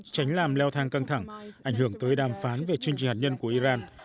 tránh làm leo thang căng thẳng ảnh hưởng tới đàm phán về chương trình hạt nhân của iran